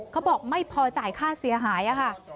เขาบอกไม่พอจ่ายค่าเสียหายค่ะ